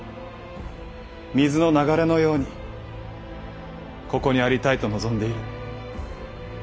水の流れのようにここにありたいと望んでいる。